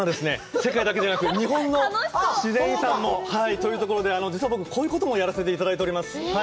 世界だけではなく日本の自然遺産もはいというところで実は僕こういうこともやらせて頂いております